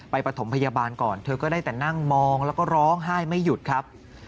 ประถมพยาบาลก่อนเธอก็ได้แต่นั่งมองแล้วก็ร้องไห้ไม่หยุดครับ